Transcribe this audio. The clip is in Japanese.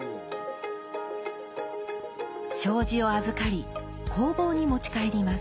障子を預かり工房に持ち帰ります。